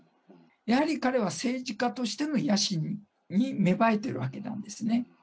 やはり彼は政治家としての野心に芽生えてるわけなんですね。